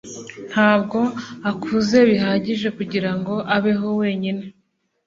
Ntabwo akuze bihagije kugirango abeho wenyine.